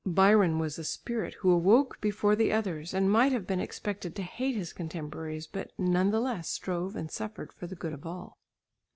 Byron was a spirit who awoke before the others and might have been expected to hate his contemporaries, but none the less strove and suffered for the good of all.